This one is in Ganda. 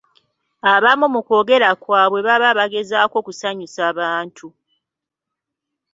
Abamu mu kwogera kwabwe baba bagezaako kusanyusa bantu.